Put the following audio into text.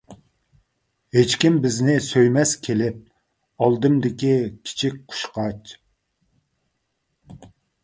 ھېچكىم بىزنى سۆيمەس كېلىپ، ئالدىمدىكى كىچىك قۇشقاچ.